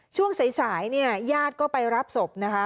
ช่วงสายเนี่ยญาติก็ไปรับศพนะคะ